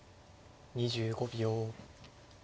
２５秒。